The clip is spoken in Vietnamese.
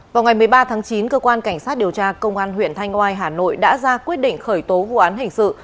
vào ngày một mươi ba tháng chín cơ quan cảnh sát điều tra công an huyện thanh oai hà nội đã ra quyết định khởi tố vụ án hình sự